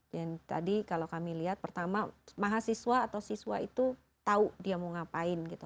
jadi tadi kalau kami lihat pertama mahasiswa atau siswa itu tahu dia mau ngapain gitu